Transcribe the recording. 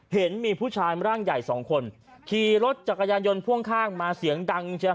เห็นมีผู้ชายร่างใหญ่สองคนขี่รถจักรยานยนต์พ่วงข้างมาเสียงดังเชียว